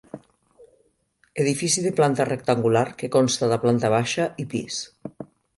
Edifici de planta rectangular que consta de planta baixa i pis.